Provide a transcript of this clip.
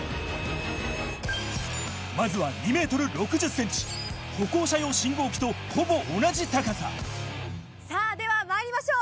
まずは２ｍ６０ｃｍ歩行者用信号機とほぼ同じ高ささぁではまいりましょう。